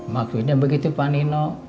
maksudnya begitu pak nino